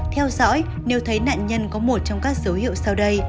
theo dõi nếu thấy nạn nhân có một trong các dấu hiệu sau đây